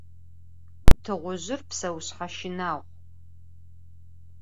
Tığuzjır pseuşshe şınağu.